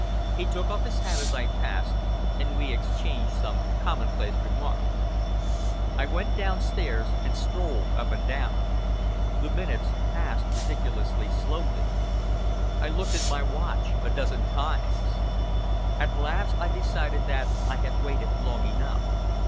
He took off his hat as I passed, and we exchanged some commonplace remark. I went downstairs and strolled up and down. The minutes passed ridiculously slowly. I looked at my watch a dozen times. At last I decided that I had waited long enough.